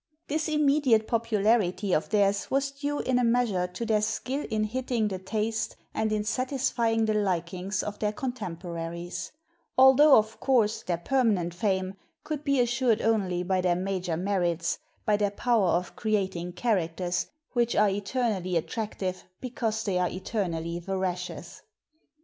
This immediate popularity of theirs was due in a measure to their skill in hitting the taste and in satisfying the likings of their contempo raries, altho of course, their permanent fame could be assured only by their major merits, by their power of creating characters, which are eternally attractive because they are eternally veracious.